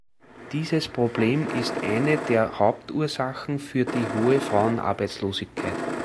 Dieses Problem ist eine der Hauptursachen für die hohe Frauenarbeitslosigkeit.